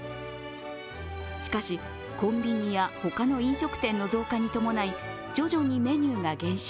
しかし、コンビニや他の飲食店の増加に伴い徐々にメニューが減少。